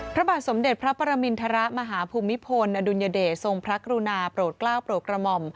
พระบาทสมเด็จพระปรมินทรมาฮภูมิพลอดุลยเดชทรงพระกรุณาโปรดกล้าวโปรดกระหม่อม